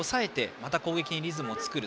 また攻撃にリズムを作る。